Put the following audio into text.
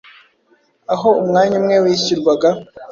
aho umwanya umwe wishyurwaga